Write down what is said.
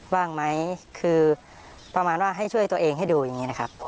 ว่างไหมคือประมาณว่าให้ช่วยตัวเองให้ดูอย่างนี้นะครับ